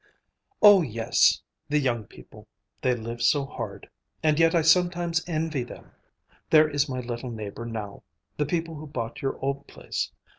"Oh, yes! The young people, they live so hard. And yet I sometimes envy them. There is my little neighbor, now; the people who bought your old place.